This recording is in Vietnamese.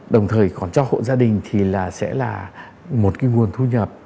đồng thời còn cho hộ gia đình thì sẽ là một nguồn thu nhập